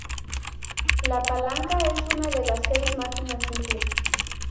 La palanca es una de las seis máquinas simples.